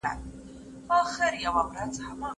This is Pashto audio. د خپل نقاش روستي ګامونه